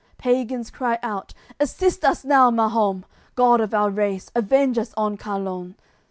Pagans cry out "Assist us now, Mahom! God of our race, avenge us on Carlon!